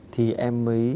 thì em mới